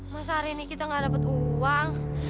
masa hari ini kita nggak dapat uang